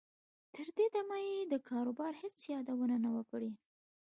تر دې دمه یې د کاروبار هېڅ یادونه نه وه کړې